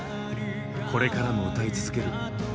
これからも歌い続ける。